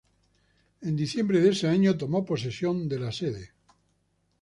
En diciembre de ese año, tomó posesión de la sede.